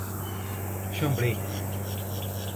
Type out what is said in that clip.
Xambrê